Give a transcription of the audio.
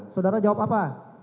saudara jawab apa